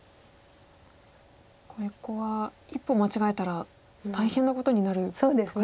ここは一歩間違えたら大変なことになるとこですよね。